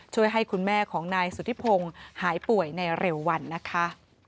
ช่วยให้คุณแม่ของนายสุธิพงศ์หายป่วยในเร็ววันนะคะ